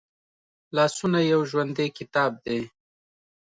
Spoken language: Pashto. لاسونه یو ژوندی کتاب دی